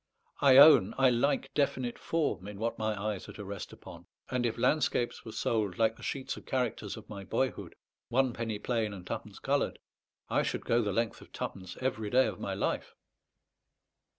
I own I like definite form in what my eyes are to rest upon; and if landscapes were sold, like the sheets of characters of my boyhood, one penny plain and twopence coloured, I should go the length of twopence every day of my life.